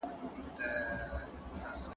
د اوبو چښل د بدن د پوره روغتیا لپاره یو بنسټ دی.